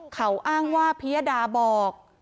เขาอ้างว่าพิยดาบอก